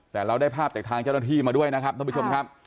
แต่เราได้ภาพจากทางเจ้าหน้าที่มาด้วยนะครับท่านผู้ชมครับ